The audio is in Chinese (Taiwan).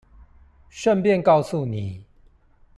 順便告訴你